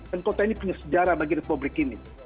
dan kota ini punya sejarah bagi republik ini